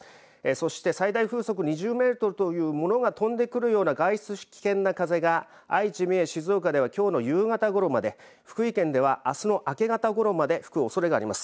そして最大風速２０メートルという、ものが飛んでくるような、外出したら風が愛知、三重、静岡では、きょうの夕方ごろまで、福井県ではあすの明け方ごろまで吹くおそれがあります。